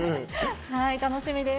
楽しみです。